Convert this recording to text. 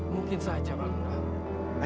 mungkin saja pak ustaz